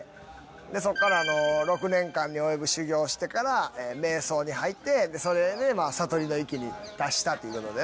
でそっから６年間に及ぶ修行してから瞑想に入ってそれで悟りの域に達したっていうことでね。